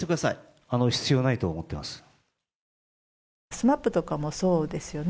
ＳＭＡＰとかもそうですよね。